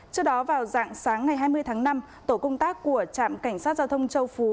trước đó vào dạng sáng ngày hai mươi tháng năm tổ công tác của trạm cảnh sát giao thông châu phú